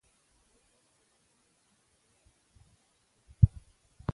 د چين د کرنیزې جنترې درېیمه میاشت ده.